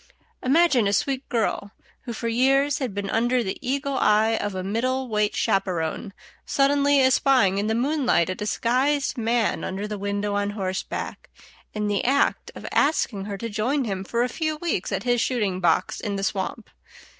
Imagine a sweet girl, who for years had been under the eagle eye of a middle weight chaperon, suddenly espying in the moonlight a disguised man under the window on horseback, in the act of asking her to join him for a few weeks at his shooting box in the swamp.